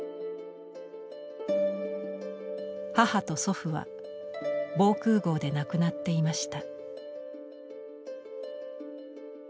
母と祖父は防空ごうで亡くなっていました。